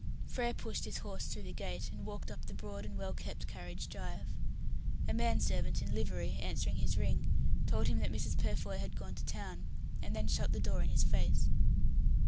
Frere pushed his horse through the gate, and walked up the broad and well kept carriage drive. A man servant in livery, answering his ring, told him that Mrs. Purfoy had gone to town, and then shut the door in his face.